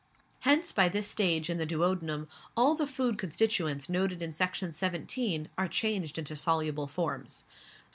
Hence by this stage, in the duodenum, all the food constituents noticed in Section 17 are changed into soluble forms.